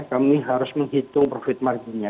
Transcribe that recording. kami harus menghitung profit marginnya